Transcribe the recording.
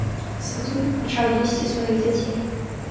Сатурн пачаў есці сваіх дзяцей.